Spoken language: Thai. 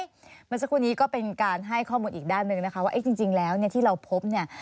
เมื่อสักครู่นี้ก็เป็นการให้ข้อมูลอีกด้านหนึ่งนะคะว่าจริงแล้วเนี่ยที่เราพบเนี่ย